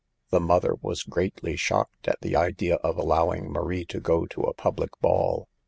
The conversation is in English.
The mother was greatly shocked at the idea of allowing Marie to go to a public ball.